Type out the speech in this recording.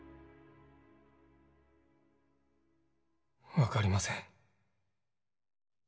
分かりません。